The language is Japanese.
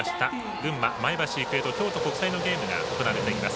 群馬、前橋育英と京都国際のゲームが行われています。